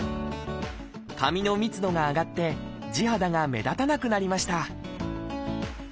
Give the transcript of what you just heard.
髪の密度が上がって地肌が目立たなくなりました。